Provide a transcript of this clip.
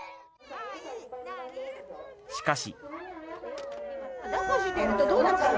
しかし。